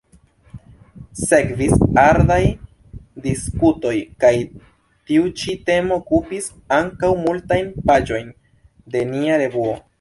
Sekvis ardaj diskutoj kaj tiu ĉi temo okupis ankaŭ multajn paĝojn de nia revuo.